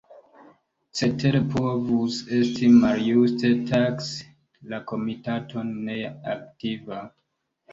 Cetere povus esti maljuste taksi la Komitaton neaktiva.